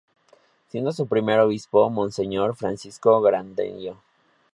Siendo su Primer Obispo Monseñor Francisco Granadillo.